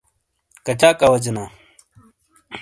کچاک اوجینا؟